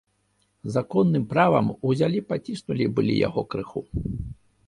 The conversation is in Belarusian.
Законным правам узялі паціснулі былі яго крыху.